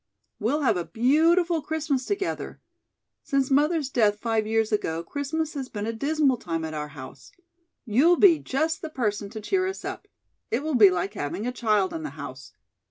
We'll have a beautiful Christmas together. Since mother's death, five years ago, Christmas has been a dismal time at our house. You'll be just the person to cheer us up. It will be like having a child in the house.